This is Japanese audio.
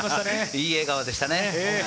いい笑顔でしたね。